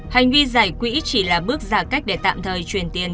hành vi giải quỹ chỉ là bước ra cách để tạm thời chuyển tiền